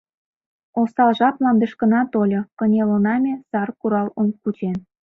Осал жап мландышкына тольо, — Кынелына ме, сар курал кучен.